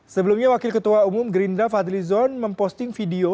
sebelumnya wakil ketua umum gerindra fadli zon memposting video